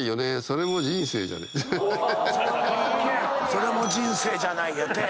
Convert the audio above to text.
「それも人生じゃない」やって。